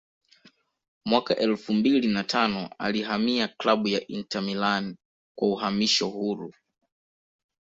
Mwaka elfu mbili na tano alihamia klabu ya Inter Milan kwa uhamisho huru